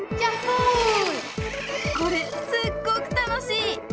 これすっごく楽しい！